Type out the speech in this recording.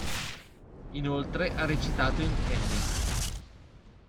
Inoltre ha recitato in Annie.